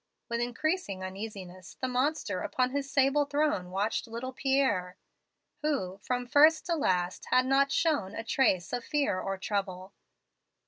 "With increasing uneasiness the monster upon his sable throne watched little Pierre, who, from first to last, had not shown a trace of fear or trouble.